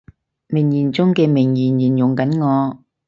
名言中嘅名言，形容緊我